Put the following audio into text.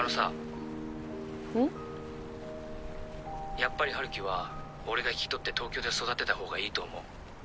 やっぱり春樹は俺が引き取って東京で育てた方がいいと思う。